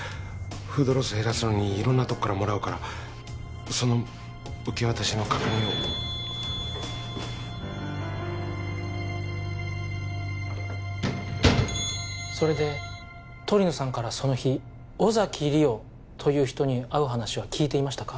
フードロス減らすのに色んなとこからもらうからその受け渡しの確認をそれで鳥野さんからその日尾崎莉桜という人に会う話は聞いていましたか？